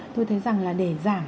tôi thấy rằng để giảm